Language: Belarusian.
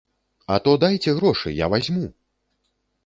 А то дайце грошы, я вазьму!